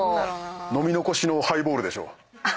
飲み残しのハイボールでしょ。